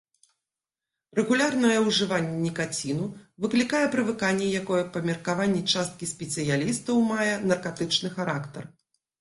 Рэгулярнае ўжыванне нікаціну выклікае прывыканне, якое па меркаванні часткі спецыялістаў, мае наркатычны характар.